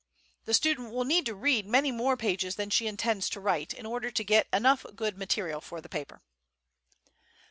The student will need to read many more pages than she intends to write in order to get enough good material for the paper.